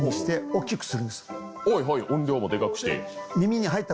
はいはい音量もデカくして。